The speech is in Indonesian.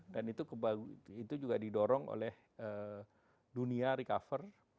dan itu juga didorong oleh dunia recover